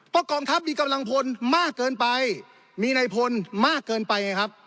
เพราะกองทัพมีกำลังพลมากเกินไปมีในพลมากเกินไปไงครับ